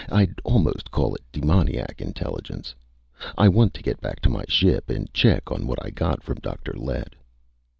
I'd almost call it demoniac intelligence. I want to get back to my ship and check on what I got from Dr. Lett."